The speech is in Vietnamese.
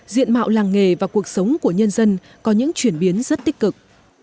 diện mạo làng nghề và cuộc sống của nhân dân có những chuyển biến rất tích cực